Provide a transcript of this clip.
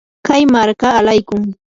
kay marka alaykun.